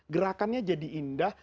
gerakannya jadi indah